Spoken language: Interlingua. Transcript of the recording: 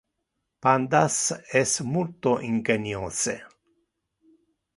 Pandas es multo ingeniose.